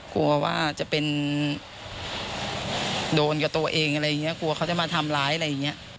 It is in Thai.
กลัวว่าจะเป็นโดนกับตัวเองอะไรอย่างนี้กลัวเขาจะมาทำร้ายอะไรอย่างนี้